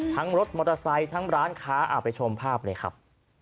รถมอเตอร์ไซค์ทั้งร้านค้าไปชมภาพเลยครับ